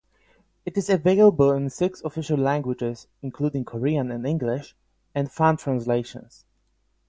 It is available in six official languages (including Korean and English) and fan translations.